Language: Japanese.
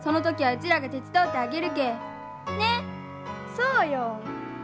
そうよ！